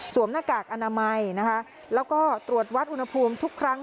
หน้ากากอนามัยนะคะแล้วก็ตรวจวัดอุณหภูมิทุกครั้ง